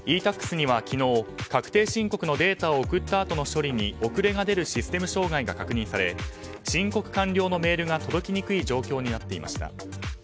ｅ‐Ｔａｘには昨日確定申告のデータを送ったあとの処理に遅れが出るシステム障害が確認され申告完了のメールが届きにくい状況になっていました。